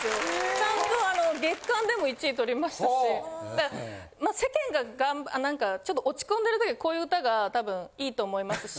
ちゃんと月間でも１位取りましたしまあ世間がなんかちょっと落ち込んでる時こういう歌がたぶんいいと思いますし。